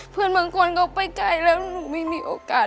เพื่อนบางคนก็ไปไกลแล้วหนูไม่มีโอกาส